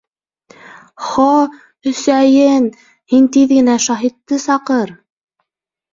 — Хо-Өсәйен, һин тиҙ генә шаһитты саҡыр.